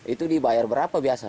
itu dibayar berapa biasa